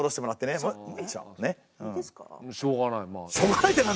しょうがないまあ。